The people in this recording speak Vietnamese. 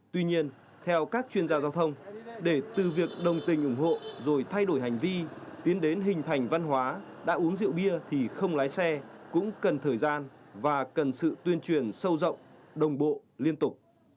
tuy nhiên theo các chuyên gia giao thông để từ việc đồng tình ủng hộ rồi thay đổi hành vi tiến đến hình thành văn hóa đã uống rượu bia thì không lái xe cũng cần thời gian và cần sự tuyên truyền sâu rộng đồng bộ liên tục